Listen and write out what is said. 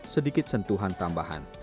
sedikit sentuhan tambahan